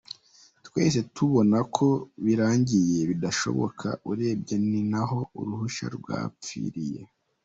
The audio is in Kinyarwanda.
Twahise tubona ko birangiye bidashoboka urebye ninaho Arusha yapfiriye.